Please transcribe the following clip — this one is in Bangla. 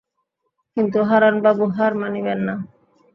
কিন্তু হারানবাবু হার মানিবেন না।